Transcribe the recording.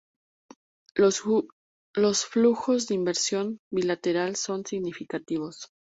Los flujos de inversión bilateral son significativos.